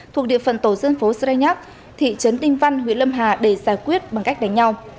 thuộc địa phận tổ dân phố sreak thị trấn đinh văn huyện lâm hà để giải quyết bằng cách đánh nhau